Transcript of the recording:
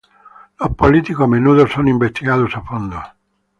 Los políticos a menudo son investigados a fondo.